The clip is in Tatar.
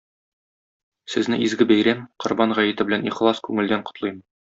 Сезне изге бәйрәм - Корбан гаете белән ихлас күңелдән котлыйм.